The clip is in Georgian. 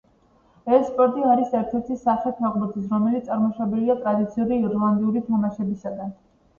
ეს სპორტი არის ერთ-ერთი სახე ფეხბურთის, რომელიც წარმოშობილია ტრადიციული ირლანდიური თამაშებისგან.